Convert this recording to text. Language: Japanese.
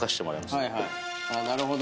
なるほど。